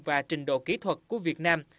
và trình độ kỹ thuật của việt nam